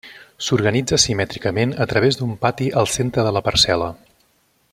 S'organitza simètricament a través d'un pati al centre de la parcel·la.